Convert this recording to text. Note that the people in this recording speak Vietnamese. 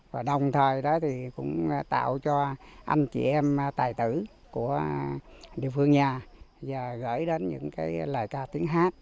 và đồng thời đó thì cũng tạo cho anh chị em tài tử của địa phương nhà và gửi đến những cái lời ca tiếng hát